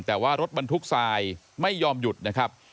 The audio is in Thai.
แต่ว่ารถบรรทุกทรายไม่ยอมหยุดนะครับ